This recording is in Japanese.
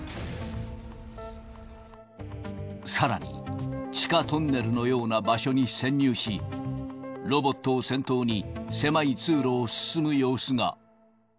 さらに、地下トンネルのような場所に潜入し、ロボットを先頭に、狭い通路を進む様子が。